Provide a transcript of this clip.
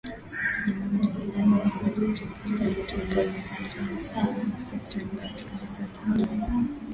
m moja kwa moja tukijitupa viwanjani tukianzia na sakata ambayo tulianza nalo jana